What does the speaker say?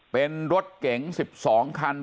เป็นรถเก๋ง๑๒คัน